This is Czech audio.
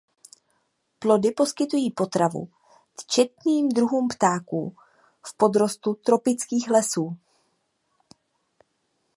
Plody poskytují potravu četným druhům ptáků v podrostu tropických lesů.